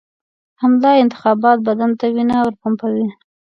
همدا انتخابات بدن ته وینه ورپمپوي.